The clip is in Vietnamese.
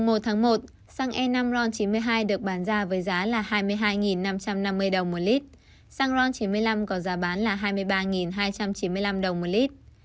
ngày một tháng một xăng e năm ron chín mươi hai được bán ra với giá là hai mươi hai năm trăm năm mươi đồng một lít xăng ron chín mươi năm có giá bán là hai mươi ba hai trăm chín mươi năm đồng một lít